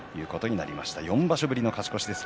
４場所ぶりの勝ち越しです。